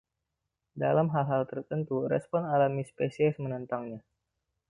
Dalam hal-hal tertentu, respons alami spesies menentangnya.